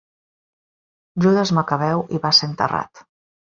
Judes Macabeu hi va ser enterrat.